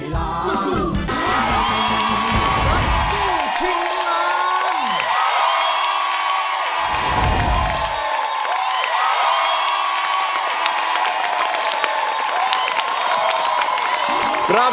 รักสู้ชิงหลาน